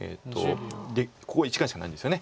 ここ１眼しかないんですよね。